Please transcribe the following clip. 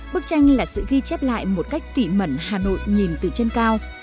bức tranh là sự ghi chép lại một cách tỉ mẩn hà nội nhìn từ trên cao